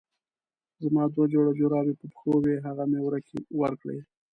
زما دوه جوړه جرابې په پښو وې هغه مې ورکړې.